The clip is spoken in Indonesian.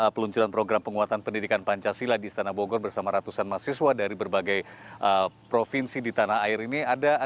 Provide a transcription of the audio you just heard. peluncuran program penguatan pendidikan pancasila di istana bogor bersama ratusan mahasiswa dari berbagai provinsi di tanah air ini